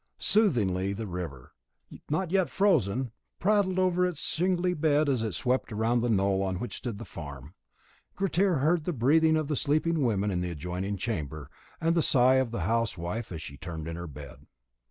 Soothingly the river, not yet frozen over, prattled over its shingly bed as it swept round the knoll on which stood the farm. Grettir heard the breathing of the sleeping women in the adjoining chamber, and the sigh of the housewife as she turned in her bed.